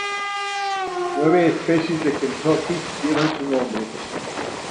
Nueve especies de Kentucky llevan su nombre.